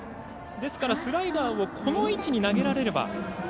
ですから、スライダーをこの位置に投げられれば。